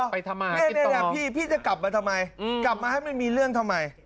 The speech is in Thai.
ไปทำมาหากินต่อพี่จะกลับมาทำไมกลับมาให้ไม่มีเรื่องทำไม